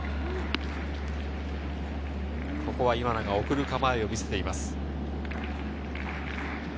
今永、送る構えを見せています。